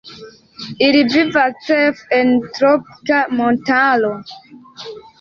Ili vivas ĉefe en tropika montaro.